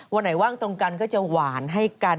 วันไหนว่างตรงกันก็จะหวานให้กัน